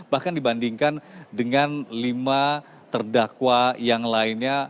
bahkan dibandingkan dengan lima terdakwa yang lainnya